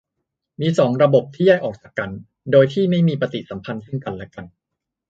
มีสองระบบ ที่แยกออกจากกัน โดยที่ไม่มีปฏิสัมพันธ์ซึ่งกันและกัน